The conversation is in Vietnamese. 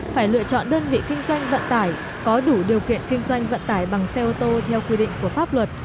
phải lựa chọn đơn vị kinh doanh vận tải có đủ điều kiện kinh doanh vận tải bằng xe ô tô theo quy định của pháp luật